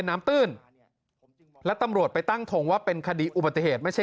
ตื้นและตำรวจไปตั้งทงว่าเป็นคดีอุบัติเหตุไม่ใช่